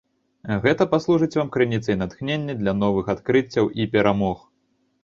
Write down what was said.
Гэта паслужыць вам крыніцай натхнення для новых адкрыццяў і перамог.